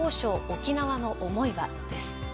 沖縄の思いは」です。